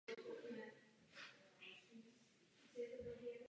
To je jediný způsob, jak získat legálnímu přistěhovalectví veřejnou podporu.